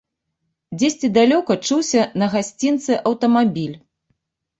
Дзесьці далёка чуўся на гасцінцы аўтамабіль.